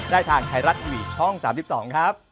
ได้ทางไทรัตวีช่อง๓๒ครับ